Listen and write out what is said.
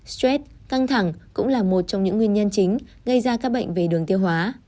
stress căng thẳng cũng là một trong những nguyên nhân chính gây ra các bệnh về đường tiêu hóa